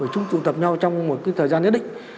chúng tụ tập nhau trong một thời gian nhất định